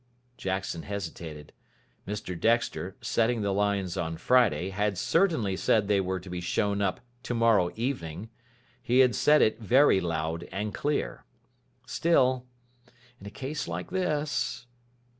Jackson hesitated. Mr Dexter, setting the lines on Friday, had certainly said that they were to be shown up "tomorrow evening." He had said it very loud and clear. Still, in a case like this....